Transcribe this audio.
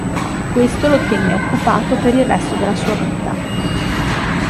Questo lo Tenne occupato per il resto della sua vita.